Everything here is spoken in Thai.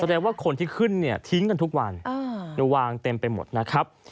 แสดงว่าคนที่ขึ้นเนี่ยทิ้งกันทุกวันดูวางเต็มไปหมดนะครับ